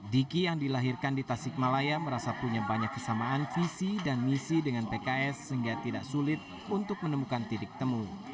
diki yang dilahirkan di tasikmalaya merasa punya banyak kesamaan visi dan misi dengan pks sehingga tidak sulit untuk menemukan titik temu